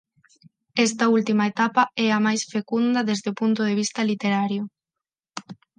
Esta última etapa é a máis fecunda desde o punto de vista literario.